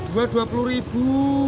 dua dua puluh ribu